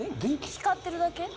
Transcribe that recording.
光ってるだけ？